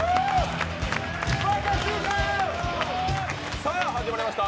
さあ始まりました